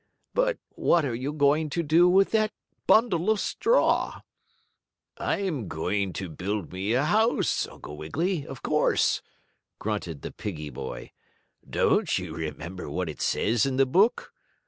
But what are you going to do with that bundle of straw?" "I'm going to build me a house, Uncle Wiggily, of course," grunted the piggie boy. "Don't you remember what it says in the book?